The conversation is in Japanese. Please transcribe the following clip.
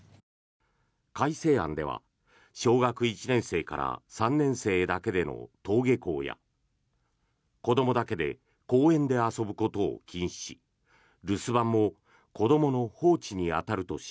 改正案では小学１年生から３年生だけでの登下校や子どもだけで公園で遊ぶことを禁止し留守番も子どもの放置に当たるとし